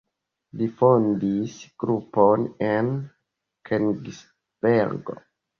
Li fondis grupon en Kenigsbergo.